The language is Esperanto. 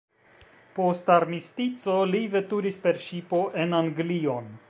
Post armistico li veturis per ŝipo en Anglion.